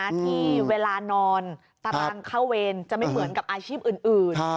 ที่เวลานอนตารางเข้าเวรจะไม่เหมือนกับอาชีพอื่น